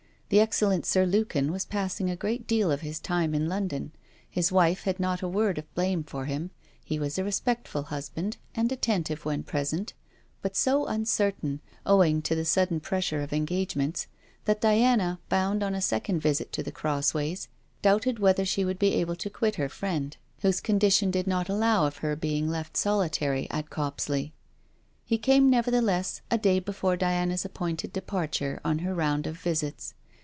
The excellent Sir Lukin was passing a great deal of his time in London. His wife had not a word of blame for him; he was a respectful husband, and attentive when present; but so uncertain, owing to the sudden pressure of engagements, that Diana, bound on a second visit to The Crossways, doubted whether she would be able to quit her friend, whose condition did not allow of her being left solitary at Copsley. He came nevertheless a day before Diana's appointed departure on her round of visits.